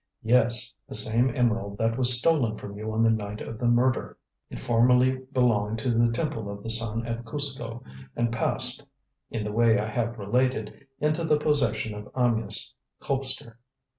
"Yes, the same emerald that was stolen from you on the night of the murder. It formerly belonged to the Temple of the Sun at Cuzco, and passed, in the way I have related, into the possession of Amyas Colpster.